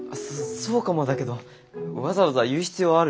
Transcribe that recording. そそうかもだけどわざわざ言う必要ある？